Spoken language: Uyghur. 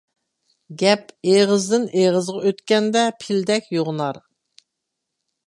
گەپ ئېغىزدىن ئېغىزغا ئۆتكەندە پىلدەك يوغىنار.